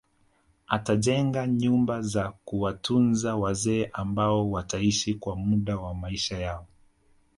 Atajenga nyumba za kuwatunza wazee ambao wataishi kwa muda wa maisha yao